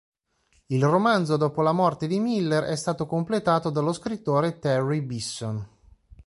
Il romanzo dopo la morte di Miller è stato completato dallo scrittore Terry Bisson.